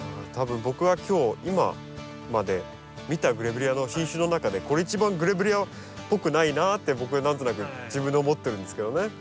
多分僕は今日今まで見たグレビレアの品種の中でこれ一番グレビレアっぽくないなって僕何となく自分で思ってるんですけどね。